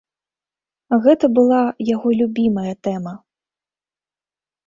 Гэта была яго любімая тэма.